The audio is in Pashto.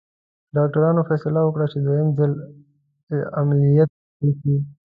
ډاکټرانو فیصله وکړه چې دوهم ځل عملیات وشي.